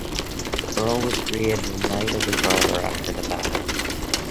The Earl was created a Knight of the Garter after the battle.